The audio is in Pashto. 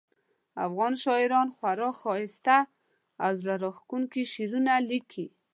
افغان شاعران خورا ښایسته او زړه راښکونکي شعرونه لیکي